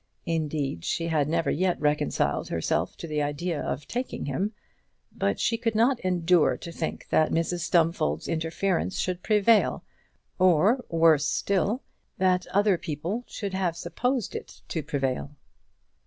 Indeed she had never yet reconciled herself to the idea of taking him. But she could not endure to think that Mrs Stumfold's interference should prevail, or, worse still, that other people should have supposed it to prevail.